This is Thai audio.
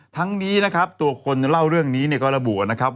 ทั้งนี้นะครับตัวคนเล่าเรื่องนี้เนี่ยก็ระบุนะครับ